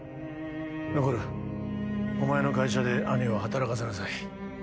ノコル、お前の会社で兄を働かせなさい。